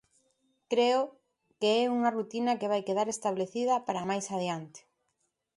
Creo que é unha rutina que vai quedar establecida para máis adiante.